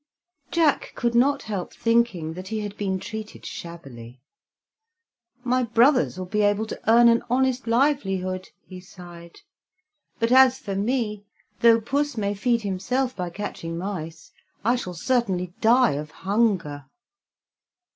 Jack could not help thinking that he had been treated shabbily. "My brothers will be able to earn an honest livelihood," he sighed, "but as for me, though Puss may feed himself by catching mice, I shall certainly die of hunger."